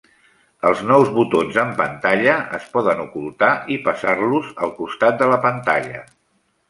Els nous botons en pantalla es poden ocultar i passar-los al costat de la pantalla.